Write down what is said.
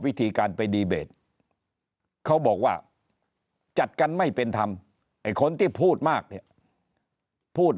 วิธีการไปดีเบจเขาบอกว่าจัดกันไม่เป็นธรรมไอ้คนที่พูด